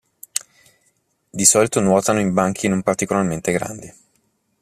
Di solito nuotano in banchi non particolarmente grandi.